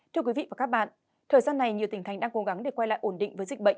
thưa quý vị và các bạn thời gian này nhiều tỉnh thành đang cố gắng để quay lại ổn định với dịch bệnh